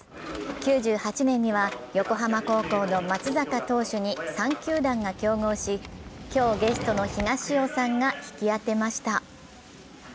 ９８年には横浜高校の松坂投手に３球団が競合し今日ゲストの東尾さんが引き当てました。